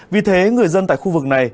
vì thế người dân tại khu vực này